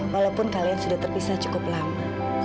walaupun kalian sudah terpisah cukup lama